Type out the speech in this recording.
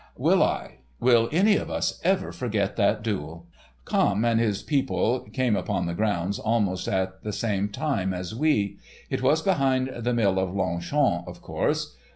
Will I—will any of us ever forget that duel? Camme and his people came upon the ground almost at the same time as we. It was behind the mill of Longchamps, of course.